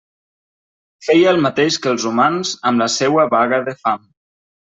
Feia el mateix que els humans amb la seua vaga de fam.